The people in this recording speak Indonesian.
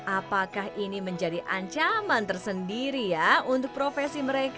apakah ini menjadi ancaman tersendiri ya untuk profesi mereka